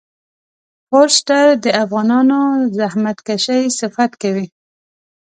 فورسټر د افغانانو زحمت کښی صفت کوي.